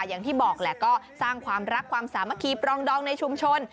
อย่างที่บอกแหละก็สร้างความรักความสามัคคีปรองดองในชุมชน